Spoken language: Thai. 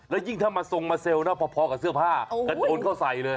และยิ่งถ้ามันส่งมาเซลพอดส่วนเสื้อผ้ากระโดนเข้าใสเลย